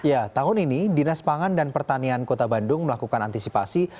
ya tahun ini dinas pangan dan pertanian kota bandung melakukan antisipasi